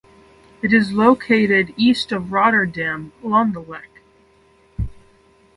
It is located east of Rotterdam along the Lek.